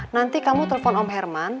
nanti kamu telpon om herman